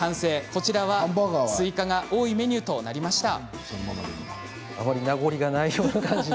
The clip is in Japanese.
こちらは、追加が多いメニューとなりました。